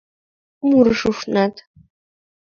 Мурыш ушнат.